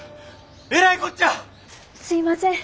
すいません。